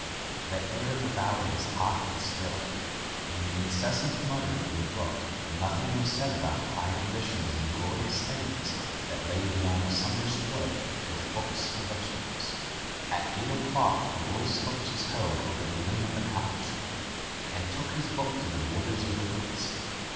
The air of the valley was hot and still. In the incessant mut ter of the brook nothing was said about high ambitions and the glorious things that lay beyond a summer's toil with books and vegetables. At eight o'clock Alois hooked his hoe over the limb of an apple tree, and took his book to the border of the woods.